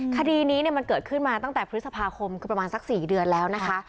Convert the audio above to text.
คดีนี้มันเกิดขึ้นมาตั้งแต่พฤษภาคมคือประมาณสัก๔เดือนแล้วนะคะ